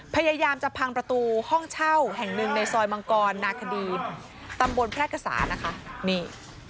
พยายามจะพังประตูห้องเช่าแห่งหนึ่งในซอยมังกรนาคดีตำบลแพร่กษานะคะนี่